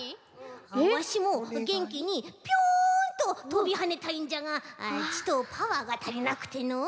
「ワシもげんきにピョンととびはねたいんじゃがちとパワーがたりなくての。